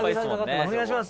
「お願いします。